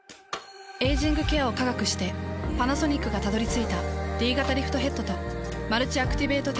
エイジングケアを科学してパナソニックがたどり着いたＤ型リフトヘッドとマルチアクティベートテクノロジー。